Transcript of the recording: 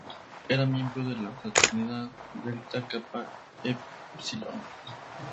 Era miembro de la fraternidad Delta Kappa Epsilon.